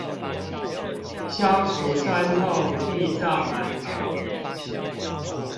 消除痠痛地藏饅頭